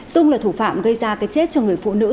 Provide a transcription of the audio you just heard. dung là thủ phạm gây ra cái chết cho người phụ nữ